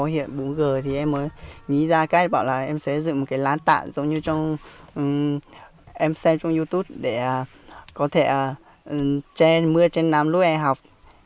có hiện bốn g thì em mới nghĩ ra cách bảo là em xây dựng một cái lán tạng giống như trong em xem trong youtube để có thể chen mưa chen nám lúc em học